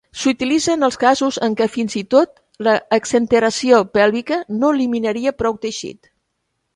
S'utilitza en els casos en què fins i tot l'exenteració pèlvica no eliminaria prou teixit.